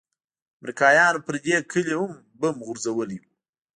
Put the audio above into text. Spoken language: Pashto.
امريکايانو پر دې كلي هم بم غورځولي وو.